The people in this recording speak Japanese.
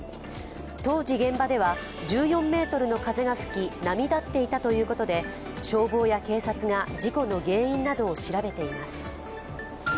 当時、現場では１４メートルの風が吹き、波立っていたということで消防や警察が事故の原因などを調べています。